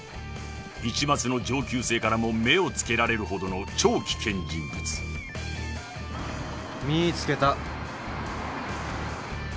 ［市松の上級生からも目を付けられるほどの超危険人物］見つけた。